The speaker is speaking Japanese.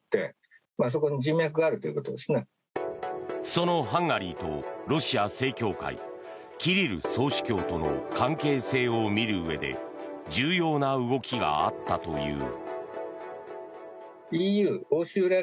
そのハンガリーとロシア正教会キリル総主教との関係性を見るうえで重要な動きがあったという。